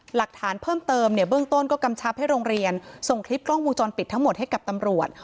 หลักฐานเพิ่มเติมเนี่ยเบื้องต้นก็กำชับให้โรงเรียนส่งคลิปกล้องวงจรปิดทั้งหมดให้กับตำรวจ